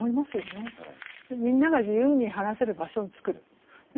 みんなが自由に話せる場所を作る。